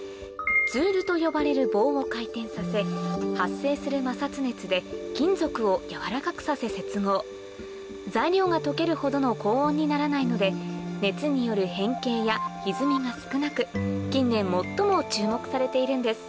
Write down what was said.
ツールと呼ばれる棒を回転させ発生する摩擦熱で金属を軟らかくさせ接合材料が溶けるほどの高温にならないので熱による変形やひずみが少なく近年最も注目されているんです